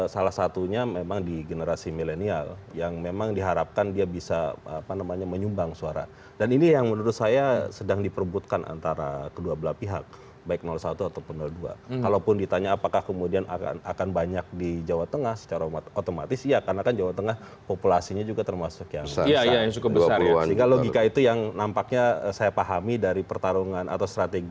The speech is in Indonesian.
sebelumnya prabowo subianto